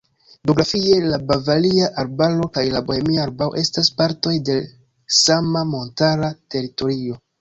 Geografie la Bavaria Arbaro kaj la Bohemia Arbaro estas partoj de sama montara teritorio.